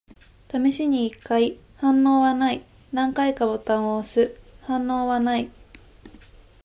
試しに一回。反応はない。何回かボタンを押す。反応はない。